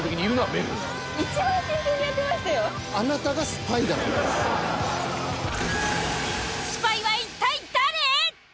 スパイは一体誰！？